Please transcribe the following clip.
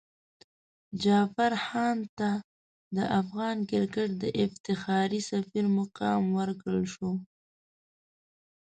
جعفر هاند ته د افغان کرکټ د افتخاري سفیر مقام ورکړل شو.